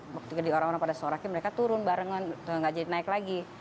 ketika diorang orang pada seorangnya mereka turun barengan nggak jadi naik lagi